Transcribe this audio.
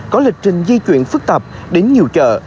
có lịch trình di chuyển phức tạp đến nhiều chợ